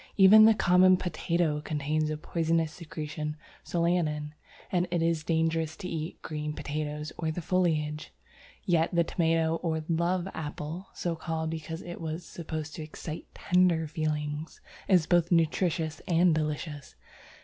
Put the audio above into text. Even the common potato contains a poisonous secretion solanin, and it is dangerous to eat green potatoes or the foliage. Yet the Tomato or Love Apple (so called because it was supposed to excite tender feelings) is both nutritious and delicious.